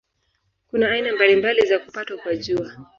Kuna aina mbalimbali za kupatwa kwa Jua.